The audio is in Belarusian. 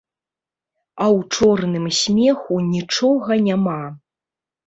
А ў чорным смеху нічога няма.